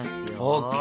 ＯＫ！